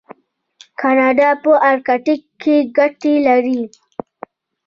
کاناډا په ارکټیک کې ګټې لري.